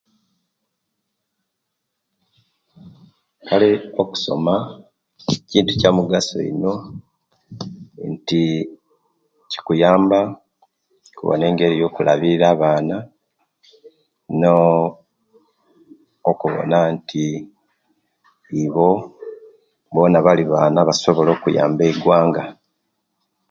Kale okusoma kintu kiyamugaso ino nti kikuyamba okubona engeri yo kulabirira abaana noo okubona nti ibo bona bali baana abasobola okuyamba eigwanga